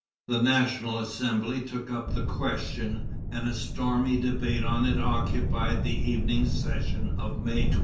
The National Assembly took up the question, and a stormy debate on it occupied the evening session of May 29.